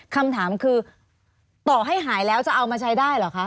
คำถามคือต่อให้หายแล้วจะเอามาใช้ได้เหรอคะ